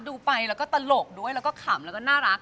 ดูไปแล้วก็ตลกด้วยแล้วก็ขำแล้วก็น่ารัก